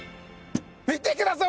見てください！